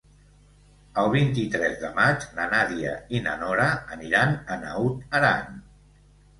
El vint-i-tres de maig na Nàdia i na Nora aniran a Naut Aran.